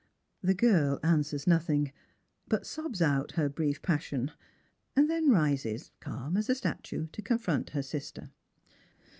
The girl answers nothing, but sobs out her brief passion, and then rises, calm as a statue, to confront her sister.